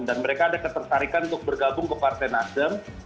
dan mereka ada ketertarikan untuk bergabung ke partai nasdem